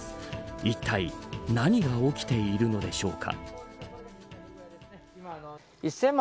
いったい何が起きているのでしょうか。